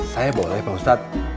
saya boleh pak ustadz